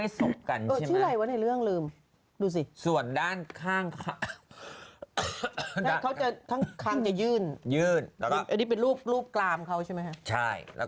แสดงว่าที่ต้องเนื่องลืมดูสิส่วนด้านข้างขับเต้นข้างอยู่นยื่นให้ธิบายลูกกลามเขาใช่ไหมใช่เลย